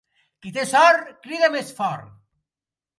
Qui té sort crida més fort.